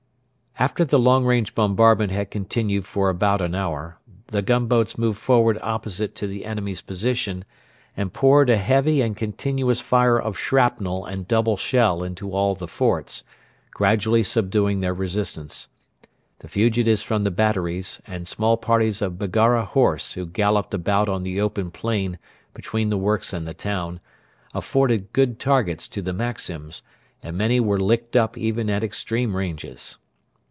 After the long range bombardment had continued for about an hour the gunboats moved forward opposite to the enemy's position, and poured a heavy and continuous fire of shrapnel and double shell into all the forts, gradually subduing their resistance. The fugitives from the batteries, and small parties of Baggara horse who galloped about on the open plain between the works and the town, afforded good targets to the Maxims, and many were licked up even at extreme ranges.